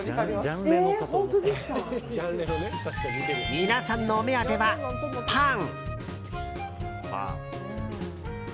皆さんのお目当ては、パン。